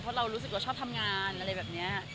เพราะเรารู้สึกเราชอบทำงานอะไรแบบนี้